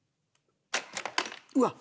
うわっ！